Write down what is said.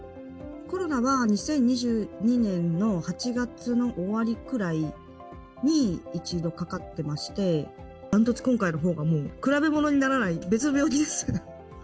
コロナは２０２２年の８月の終わりくらいに１度かかってまして、断トツ今回のほうがもう、比べものにならない、別の病気です。